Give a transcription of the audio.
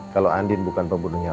kalau andin bukan pembunuhnya